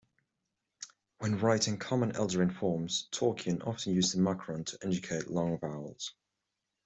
When writing Common Eldarin forms, Tolkien often used the macron to indicate long vowels.